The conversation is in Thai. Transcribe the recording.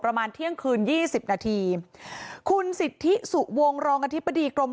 ประมาณเที่ยงคืนยี่สิบนาทีคุณสิทธิสุวงรองอธิบดีกรม